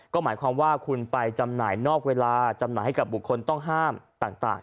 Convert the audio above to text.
ก็หมายความว่าคุณไปจำหน่ายนอกเวลาจำหน่ายให้กับบุคคลต้องห้ามต่าง